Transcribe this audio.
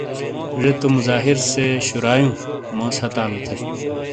جے تو مظاہر سے شُرائیوں موس ہتھالو تھے۔